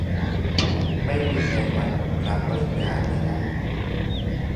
ไม่มีในวันรับปริญญาเนี่ยนะ ?